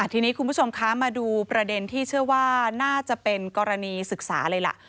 ทีนี้คุณผู้ชมคะมาดูประเด็นที่เชื่อว่าน่าจะเป็นกรณีศึกษาเลยล่ะ